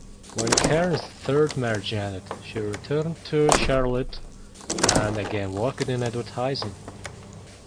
When Karon's third marriage ended she returned to Charlotte and again worked in advertising.